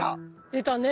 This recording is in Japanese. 出たね。